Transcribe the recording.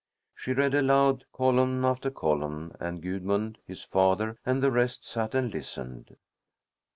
She read aloud column after column, and Gudmund, his father, and the rest sat and listened.